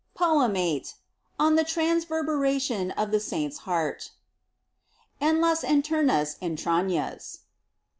Poem 8. ON THE TRANSVERBERATION OF THE SAINT'S HEART. En las internas entrañas.